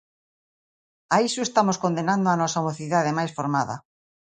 A iso estamos condenado a nosa mocidade máis formada.